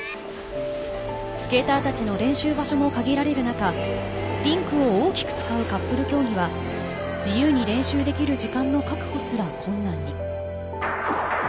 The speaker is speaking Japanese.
スケーターたちの練習場所も限られる中リンクを大きく使うカップル競技は自由に練習できる時間の確保すら困難に。